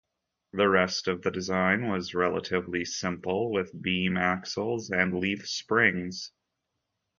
The rest of the design was relatively simple, with beam axles and leaf springs.